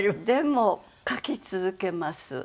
でも書き続けます